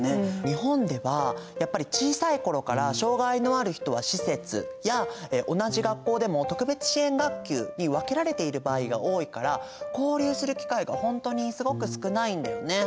日本ではやっぱり小さい頃から障がいのある人は施設や同じ学校でも特別支援学級に分けられている場合が多いから交流する機会が本当にすごく少ないんだよね。